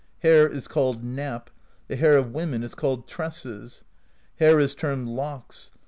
Hair is called Nap; the hair of women is called Tresses. Hair is termed Locks.